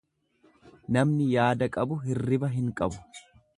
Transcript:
Namni yaada qabu hirriba hin qabu.